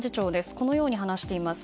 このように話しています。